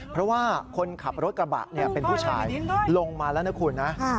เพราะว่าคนขับรถกระบะเป็นผู้ชายลงมาแล้วนะคุณนะ